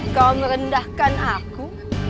kau merendahkan aku